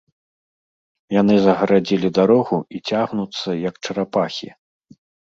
Яны загарадзілі дарогу і цягнуцца, як чарапахі.